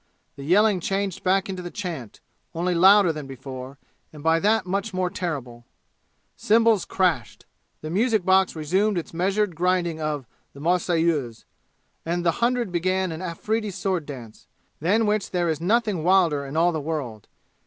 The yelling changed back into the chant, only louder than before, and by that much more terrible. Cymbals crashed. The music box resumed its measured grinding of The Marseillaise. And the hundred began an Afridi sword dance, than which there is nothing wilder in all the world.